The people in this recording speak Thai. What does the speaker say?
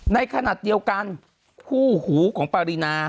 ในขณะเดียวกันคู่หูของปารีนา